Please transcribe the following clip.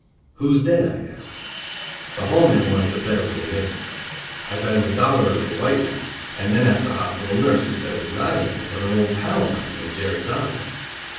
"Who's dead?" I asked. The hall man wanted to bet it was a nigger. I bet him a dollar it was a white man, and then asked the hospital nurse, who said it was not a nigger, but an old pal of mine, named Jerry Donovan.